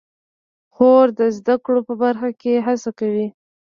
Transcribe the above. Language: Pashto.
خور د زده کړو په برخه کې هڅه کوي.